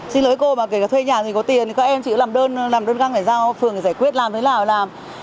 xin lỗi cô mà kể cả thuê nhà gì có tiền các em chị làm đơn găng phải ra phường để giải quyết làm thế nào thì làm